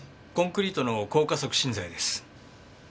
コンクリートの硬化促進剤です。